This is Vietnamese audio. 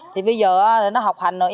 thì bây giờ là nó học hành rồi